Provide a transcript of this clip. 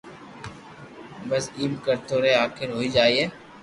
بس ايم ڪرتو رھي آخر ھوئي جائين